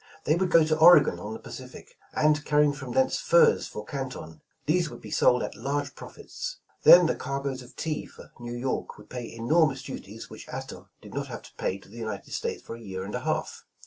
They would go to Oregon on the Pacific, and carry from thence furs for Canton. These would be sold at large profits. Then the cargoes of tea for New York would pay enormous duties, which Astor did not have to pay to the United 139 The Original John Jacob Astor States for a year and a half.